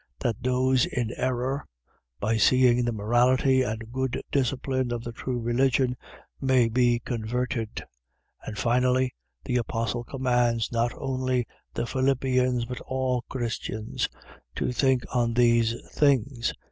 . .that those in error, by seeing the morality and good discipline of the true religion, may be converted. And finally, the apostle commands, not only the Philippians, but all Christians, to think on these things.